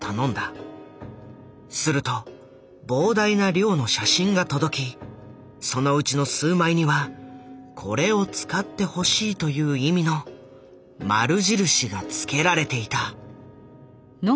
すると膨大な量の写真が届きそのうちの数枚には「これを使ってほしい」という意味の丸印がつけられていた。